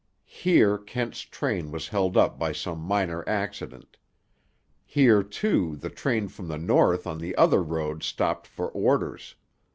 Here Kent's train was held up by some minor accident. Here, too, the train from the north on the other road stopped for orders.